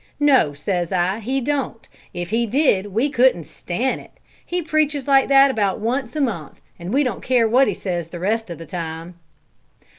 'No,' says I, 'he don't. If he did we couldn't stan' it! He preaches like that about once a month, an' we don't care what he says the rest o' the time.'"